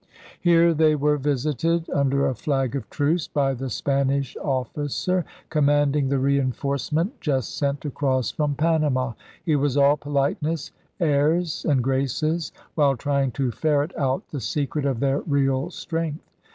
Here they were visited, under a flag of truce, by the Spanish officer commanding the reinforce ment just sent across from Panama. He was all politeness, airs, and graces, while trying to ferret out the secret of their real strength.